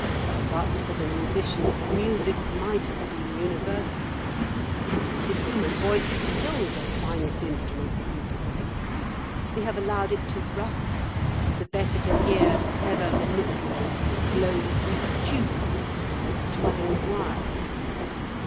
But for the musician, music might have been universal. The human voice is still the finest instrument that we possess. We have allowed it to rust, the better to hear clever manipulators blow through tubes and twang wires.